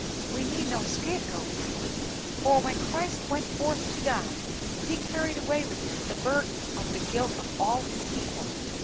We need no scape goat now, for when Christ went forth to die, He carried away with Him the burden of the guilt of all His people."